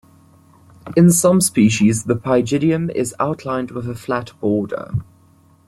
In some species the pygidium is outlined with a flat border.